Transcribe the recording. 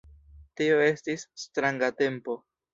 Tio estis stranga tempo!